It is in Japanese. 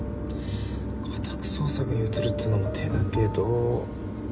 家宅捜索に移るっつうのも手だけど。